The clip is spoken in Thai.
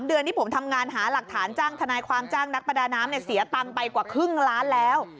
เดือนที่ผมทำงานหาหลักฐานจ้างทนายความจ้างนักประดาน้ำเนี่ยเสียตังค์ไปกว่าครึ่งล้านแล้ว